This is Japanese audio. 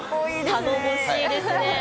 頼もしいですね。